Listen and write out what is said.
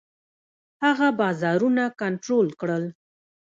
هغه بازارونه کنټرول کړل.